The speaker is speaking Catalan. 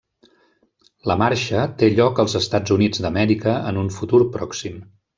La Marxa té lloc als Estats Units d'Amèrica en un futur pròxim.